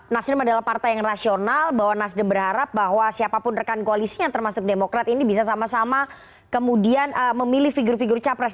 nasdem adalah partai yang rasional bahwa nasdem berharap bahwa siapapun rekan koalisi yang termasuk demokrat ini bisa sama sama kemudian memilih figur figur capres